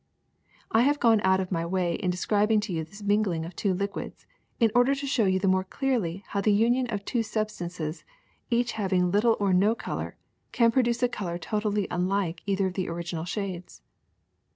I have gone out of my way in describing to you this mingling of two liquids in order to show you the more clearly how the union of two substances, each having little or no color, can produce a color totally unlike either of the original shades.